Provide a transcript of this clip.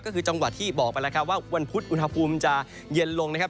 ก็คือจังหวัดที่บอกไปแล้วครับว่าวันพุธอุณหภูมิจะเย็นลงนะครับ